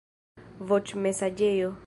voĉmesaĝejo